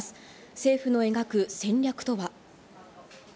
政府の描く戦略とは。